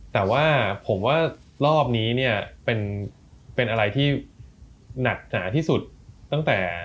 แต่ว่าผมว่ารอบนี้เนี่ยเป็นอะไรที่หนักหนาที่สุดตั้งแต่